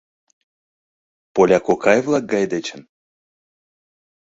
Поля кокай-влак гай дечын?